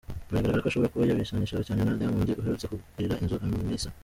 Biragaragara ko ashobora kuba yabisanishaga cyane na Diamond uherutse kugurira inzu Hamisa.